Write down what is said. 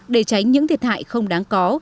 để tránh những thiệt hại không đáng có